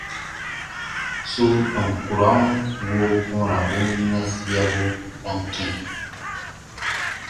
Su tɔn kurɔn woo kɔ̃ɔrabun yinasiabu dam kɛ̃.